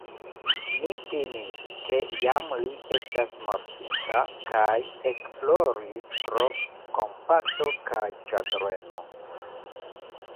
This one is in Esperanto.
Mi timis, ke jam li estas mortinta kaj ekploris pro kompato kaj ĉagreno.